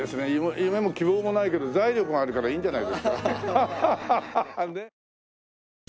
夢も希望もないけど財力があるからいいんじゃないですか。